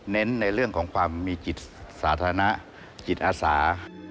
ในเรื่องของความมีจิตสาธารณะจิตอาสา